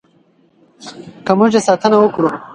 که موږ یې ساتنه وکړو.